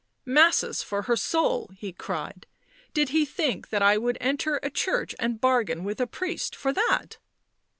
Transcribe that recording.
"Masses for her soul!" he cried. "Did he think that I would enter a church and bargain with a priest for that!"